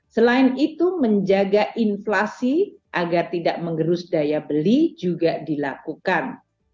selain itu menjaga inflasi agar tidak mengerus daya beli juga dilakukan